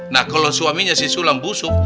nah kalau suaminya si sulam busuk